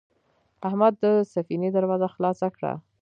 احمد د سفینې دروازه خلاصه کړه.